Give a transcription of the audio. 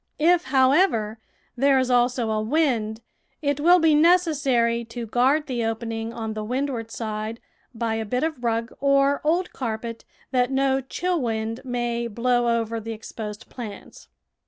If, however, there is also a wind, it will be necessary to guard the opening on the windward side by a bit of rug THE VEGETABLE GARDEN or old carpet that no chill wind may blow over the exposed plants.